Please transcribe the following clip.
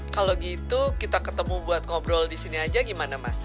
kalau gitu kita ketemu buat ngobrol di sini aja gimana mas